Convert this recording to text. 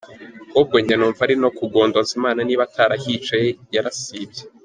Ahubwo njye numva ari no kugondoza Imana, niba atarahicaye yarasibye.